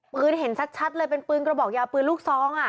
เห็นชัดเลยเป็นปืนกระบอกยาวปืนลูกซอง